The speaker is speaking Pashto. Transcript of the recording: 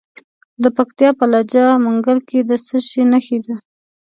د پکتیا په لجه منګل کې د څه شي نښې دي؟